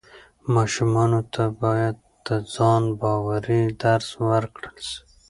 ماشومانو ته باید د ځان باورۍ درس ورکړل سي.